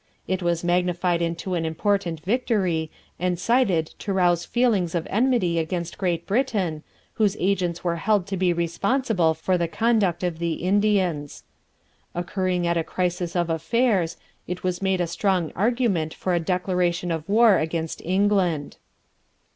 It was magnified into an important victory, and cited to rouse feelings of enmity against Great Britain, whose agents were held to be responsible for the conduct of the Indians. Occurring at a crisis of affairs, it was made a strong argument for a declaration of war against England.